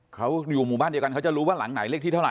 เขาอยู่หมู่บ้านเดียวกันเขาจะรู้ว่าหลังไหนเลขที่เท่าไ